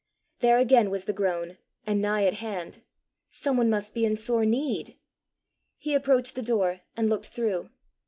There again was the groan, and nigh at hand! Someone must be in sore need! He approached the door and looked through.